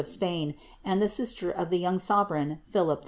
of Spain, and llie sister of the young sovereign, Philip IV.